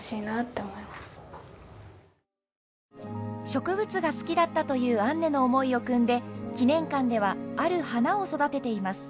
植物が好きだったというアンネの思いをくんで記念館ではある花を育てています